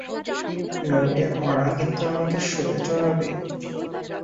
নইলে ওরা কিন্তু আমাকে শুলে চরাবে!